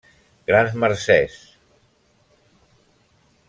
-Grans mercès.